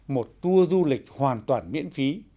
một tour du lịch hoàn toàn miễn phí